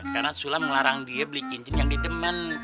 karena sulam ngelarang dia beli cincin yang di deman